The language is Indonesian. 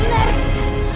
kamu kan benar ya